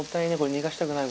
逃がしたくない